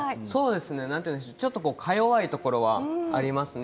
ちょっとか弱いところはありますね。